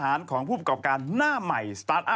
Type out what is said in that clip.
จากกระแสของละครกรุเปสันนิวาสนะฮะ